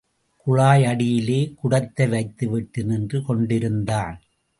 குழாய் அடியிலே குடத்தை வைத்துவிட்டு, நின்று கொண்டிருந்தான்.